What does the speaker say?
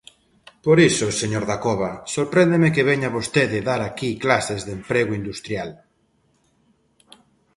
Por iso, señor Dacova, sorpréndeme que veña vostede dar aquí clases de emprego industrial.